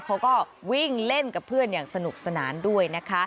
เขาก็วิ่งเล่นกับเพื่อนอย่างสนุกสนานด้วยนะคะ